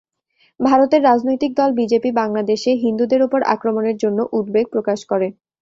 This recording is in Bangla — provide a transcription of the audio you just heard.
ভারতের রাজনৈতিক দল বিজেপি, বাংলাদেশে হিন্দুদের উপর আক্রমণের জন্য উদ্বেগ প্রকাশ করে।